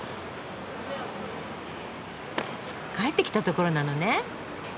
帰ってきたところなのね。